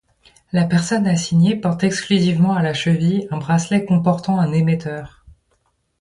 La personne assignée porte exclusivement à la cheville un bracelet comportant un émetteur.